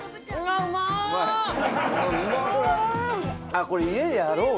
あっこれ家でやろう！